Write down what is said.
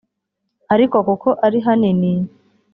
ariko kuko ari hanini